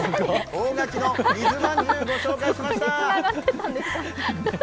大垣の水まんじゅう、ご紹介しました。